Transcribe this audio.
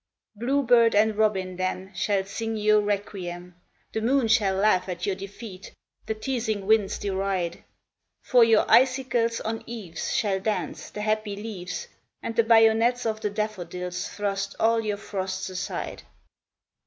Bluebird and robin then Shall sing your requiem. The moon shall laugh at your defeat, the teasing winds deride j For your icicles on eaves Shall dance the happy leaves And the bayonets of the daffodils thrust all your frosts aside.